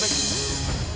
baik baik baik